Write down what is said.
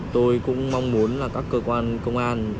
tôi cũng mong muốn là các cơ quan công an